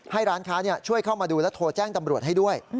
ร้านค้าช่วยเข้ามาดูและโทรแจ้งตำรวจให้ด้วย